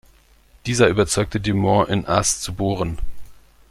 Dieser überzeugte Dumont, in As zu bohren.